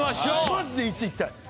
まじで１位いきたい。